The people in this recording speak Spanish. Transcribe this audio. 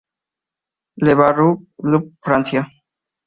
Le Bar-sur-Loup, Francia